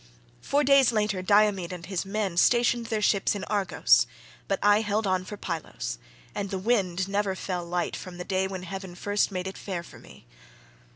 Four days later Diomed and his men stationed their ships in Argos, but I held on for Pylos, and the wind never fell light from the day when heaven first made it fair for me.